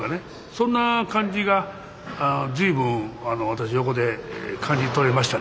そんな感じが随分私横で感じ取れましたね。